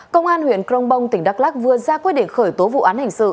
công an huyện cronbong tỉnh đắk lắc vừa ra quyết định khởi tố vụ án hành sự